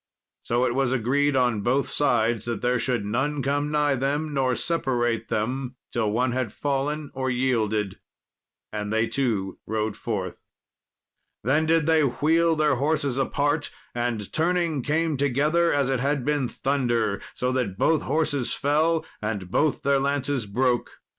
So it was agreed on both sides that there should none come nigh them or separate them till one had fallen or yielded; and they two rode forth. Then did they wheel their horses apart, and turning, came together as it had been thunder, so that both horses fell, and both their lances broke.